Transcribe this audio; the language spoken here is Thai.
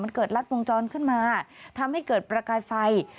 มันเกิดลัดวงจรขึ้นมาทำให้เกิดประกายไฟ